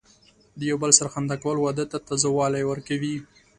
د یو بل سره خندا کول، واده ته تازه والی ورکوي.